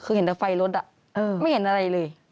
คือเห็นแต่ไฟรถไม่เห็นอะไรเลย